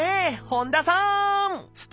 本多さん